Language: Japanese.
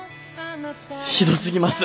ひど過ぎます